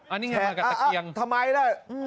อันนี้ไงกับตะเกียงทำไมล่ะ